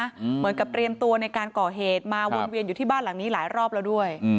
เหมือนกับเตรียมตัวในการก่อเหตุมาวนเวียนอยู่ที่บ้านหลังนี้หลายรอบแล้วด้วย